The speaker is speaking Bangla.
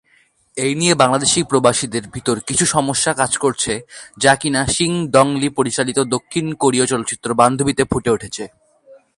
এই নিয়ে বাংলাদেশি প্রবাসীদের ভিতর কিছু সমস্যা কাজ করছে, যা কিনা সিন দং-লি পরিচালিত দক্ষিণ কোরিয় চলচ্চিত্র "বান্ধবী"তে ফুটে উঠেছে।